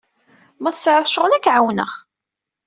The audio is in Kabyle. Ma tesɛiḍ ccɣel, ad k-ɛawneɣ.